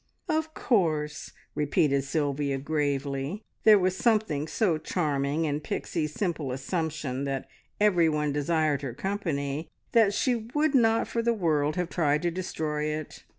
"Of course," repeated Sylvia gravely. There was something so charming in Pixie's simple assumption that everyone desired her company, that she would not for the world have tried to destroy it.